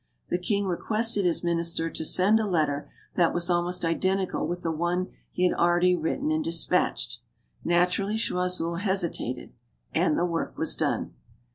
The king requested his minister to send a letter that was almost identical with the one he had already writ ten and dispatched. Naturally Choiseul hesitated. And the work was done.